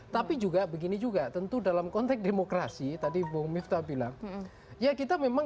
tapi juga begini juga tentu dalam konteks demokrasi tadi bung miftah bilang ya kita memang